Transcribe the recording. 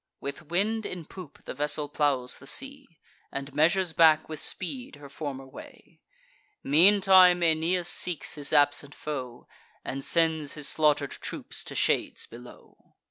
With wind in poop, the vessel plows the sea, And measures back with speed her former way. Meantime Aeneas seeks his absent foe, And sends his slaughter'd troops to shades below.